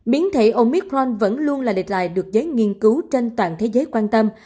biến thể omicron vẫn luôn là lịch loại được giấy nghiên cứu trên toàn thế giới quan tâm